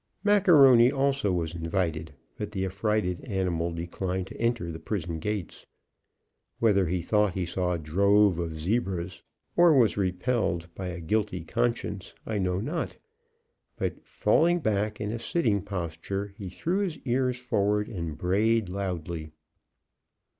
Macaroni also was invited, but the affrighted animal declined to enter the prison gates. Whether he thought he saw a drove of zebras, or was repelled by a guilty conscience, I know not, but, falling back in a sitting posture, he threw his ears forward and brayed loudly.